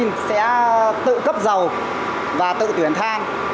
nó sẽ tự cấp dầu và tự tuyển thang